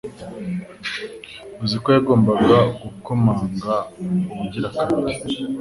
uziko yagombaga gukomanga ubugira kabiri